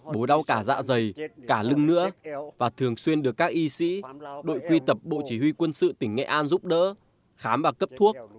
bố đau cả dạ dày cả lưng nữa và thường xuyên được các y sĩ đội quy tập bộ chỉ huy quân sự tỉnh nghệ an giúp đỡ khám và cấp thuốc